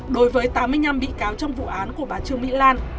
đối với tám mươi năm bị cáo trong vụ án của bà trương mỹ lan